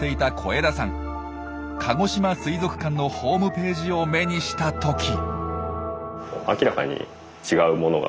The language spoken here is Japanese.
かごしま水族館のホームページを目にしたとき。